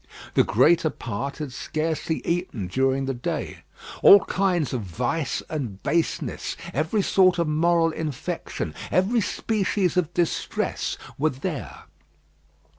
The greater part had scarcely eaten during the day. All kinds of vice and baseness, every sort of moral infection, every species of distress were there.